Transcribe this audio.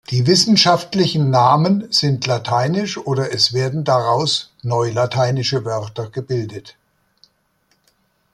Die wissenschaftlichen Namen sind lateinisch oder es werden daraus neulateinische Wörter gebildet.